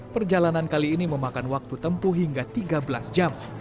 perjalanan kali ini memakan waktu tempuh hingga tiga belas jam